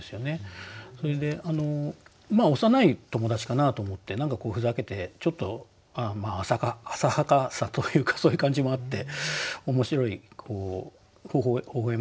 それで幼い友達かなと思って何かふざけてちょっと浅はかさというかそういう感じもあって面白いほほ笑ましい句だなと思いました。